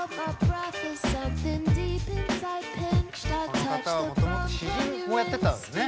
この方はもともと詩人もやってたのよね。